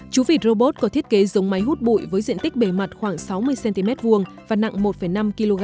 chú vịt robot có thiết kế giống máy hút bụi với diện tích bề mặt khoảng sáu mươi cm hai và nặng một năm kg